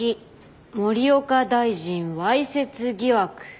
森岡大臣わいせつ疑惑！」。